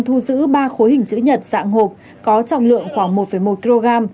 lực lượng chức năng thu giữ ba khối hình chữ nhật dạng hộp có trọng lượng khoảng một một kg